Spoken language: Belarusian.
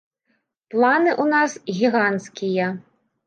Планы ў нас гіганцкія.